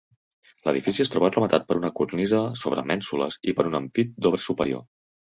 L'edifici es troba rematat per una cornisa sobre mènsules i per un ampit d'obra superior.